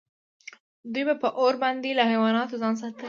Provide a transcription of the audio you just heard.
دوی به په اور باندې له حیواناتو ځان ساته.